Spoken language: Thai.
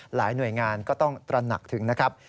หลายหน่วยงานก็ต้องตระหนักถึงนะครับ